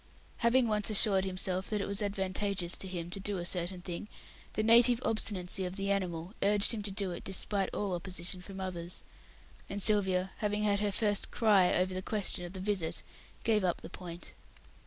Having once assured himself that it was advantageous to him to do a certain thing, the native obstinacy of the animal urged him to do it despite all opposition from others, and Sylvia, having had her first "cry" over the question of the visit, gave up the point.